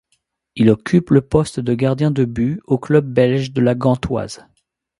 Il occupe le poste de gardien de but au club belge de La Gantoise.